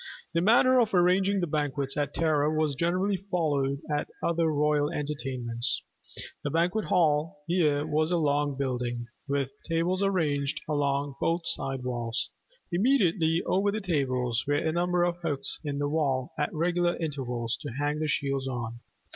The manner of arranging the banquets at Tara was generally followed at other royal entertainments. The Banquet hall here was a long building, with tables arranged along both side walls. Immediately over the tables were a number of hooks in the wall at regular intervals to hang the shields on.